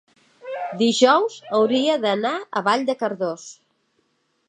dijous hauria d'anar a Vall de Cardós.